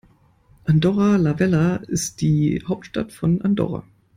Andorra la Vella ist die Hauptstadt von Andorra.